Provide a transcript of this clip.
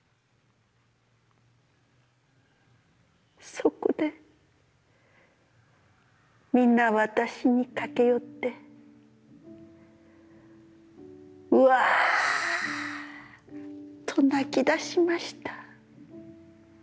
そこで、みな私に駆け寄って、わーっと泣き出しました。